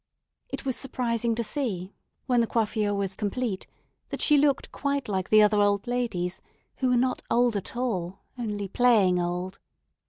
It was surprising to see, when the coiffure was complete, that she looked quite like the other old ladies, who were not old at all, only playing old.